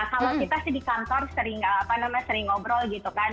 kalau kita sih di kantor sering ngobrol gitu kan